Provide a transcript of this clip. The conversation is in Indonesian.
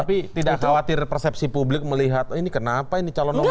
tapi tidak khawatir persepsi publik melihat ini kenapa ini calon nomor satu